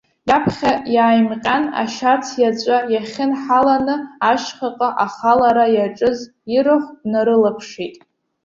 Иаԥхьа иааимҟьан, ашьац иаҵәа иахьынҳаланы ашьхаҟа ахалара иаҿыз ирахә днарылаԥшит.